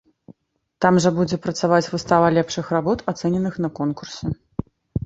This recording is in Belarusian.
Там жа будзе працаваць выстава лепшых работ, ацэненых на конкурсе.